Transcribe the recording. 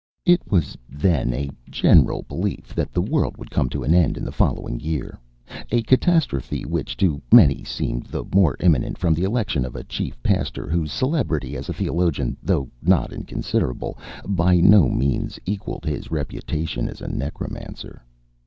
It was then a general belief that the world would come to an end in the following year, a catastrophe which to many seemed the more imminent from the election of a chief pastor whose celebrity as a theologian, though not inconsiderable, by no means equalled his reputation as a necromancer.